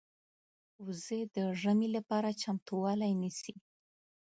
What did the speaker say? وزې د ژمې لپاره چمتووالی نیسي